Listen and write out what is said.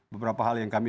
beberapa hal yang kami